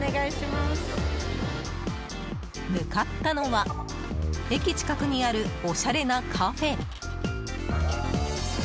向かったのは駅近くにあるおしゃれなカフェ。